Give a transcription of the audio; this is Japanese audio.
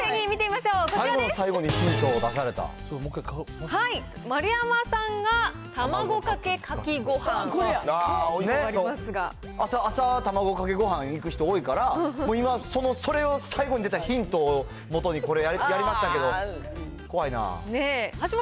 最後の最後にヒントを出され丸山さんが、卵かけカキごは朝、卵かけごはんいく人多いから、今それを、最後に出たヒントをもとにこれ、やりましたけど、怖いな。